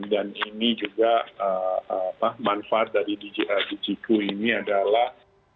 dan ini juga manfaat dari digiku ini adalah